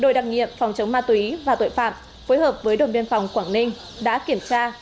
đội đặc nhiệm phòng chống ma túy và tội phạm phối hợp với đồn biên phòng quảng ninh đã kiểm tra